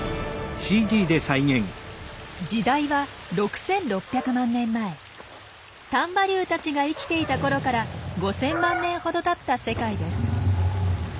時代は丹波竜たちが生きていたころから５，０００万年ほどたった世界です。